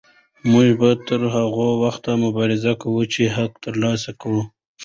موږ به تر هغه وخته مبارزه کوو چې حق ترلاسه کړو.